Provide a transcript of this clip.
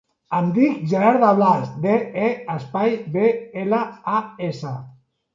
Em dic Gerard De Blas: de, e, espai, be, ela, a, essa.